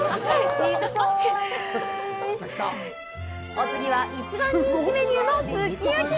お次は、一番人気メニューのすき焼き。